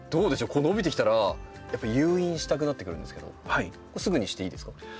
伸びてきたらやっぱ誘引したくなってくるんですけどすぐにしていいですか？